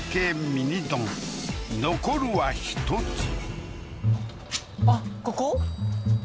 ミニ丼残るは１つあっここ？